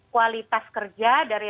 kualitas kerja dari